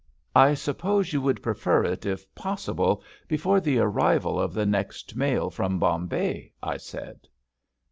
"I suppose you would prefer it, if possible, before the arrival of the next mail from Bombay?" I said.